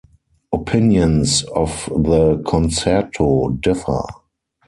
Opinions of the concerto differ.